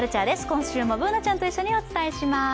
今週もＢｏｏｎａちゃんと一緒にお伝えします。